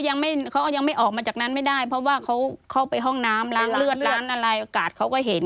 ยังไม่เขายังไม่ออกมาจากนั้นไม่ได้เพราะว่าเขาเข้าไปห้องน้ำล้างเลือดล้างอะไรอากาศเขาก็เห็น